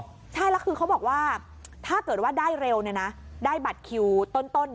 ใช่แล้วคือเขาบอกว่าถ้าเกิดว่าได้เร็วได้บัตรคิวต้น